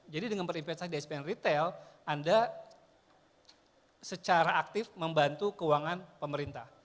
jadi dengan berinvestasi di sbn retail anda secara aktif membantu keuangan pemerintah